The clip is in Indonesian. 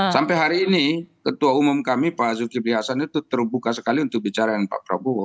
sampai hari ini ketua umum kami pak zulkifli hasan itu terbuka sekali untuk bicara dengan pak prabowo